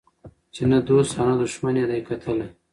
چي نه دو ست او نه دښمن یې دی کتلی